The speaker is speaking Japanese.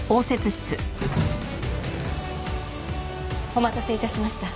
お待たせ致しました。